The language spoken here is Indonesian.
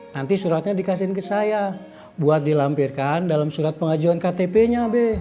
nanti suratnya dikasihin ke saya buat dilampirkan dalam surat pengajuan ktpnya be